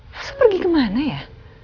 masa pergi kemana ya